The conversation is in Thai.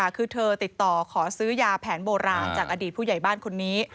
คือเธอติดต่อขอซื้อยาแผนโบราณจากอดีตผู้ใหญ่บ้านคนนี้